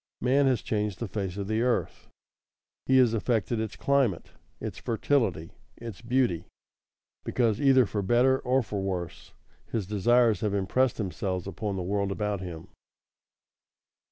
Man has changed the face of the earth; he has affected its climate, its fertility, its beauty, because, either for better or for worse, his desires have impressed themselves upon the world about him.